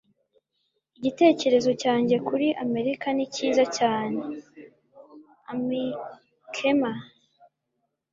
Igitekerezo cyanjye kuri Amerika ni cyiza cyane. (AMIKEMA)